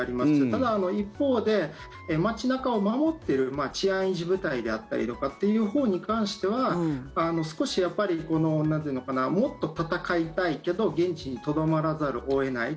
ただ、一方で街中を守っている治安維持部隊であったりとかというほうに関しては少し、やっぱりなんというのかなもっと戦いたいけど現地にとどまらざるを得ない。